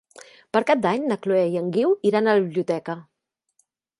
Per Cap d'Any na Chloé i en Guiu iran a la biblioteca.